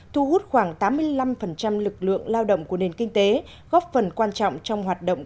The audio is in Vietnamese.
thu hút khoảng tám mươi năm lực lượng lao động của nền kinh tế góp phần quan trọng trong hoạt động